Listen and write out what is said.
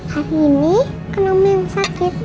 hari ini kan oma yang sakit